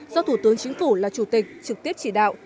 do thủ tướng chính phủ là chủ tịch trực tiếp chỉ đạo